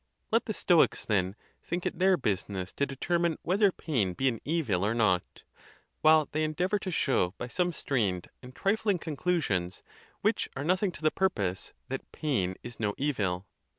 Let the Stoics, then, think it their business to determine wheth er pain be an evil or not, while they endeavor to show by some strained and trifling conclusions, which are nothing to the purpose, that pain is no evil.